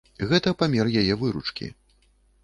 Гэта памер яе выручкі.